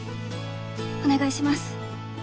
お願いします。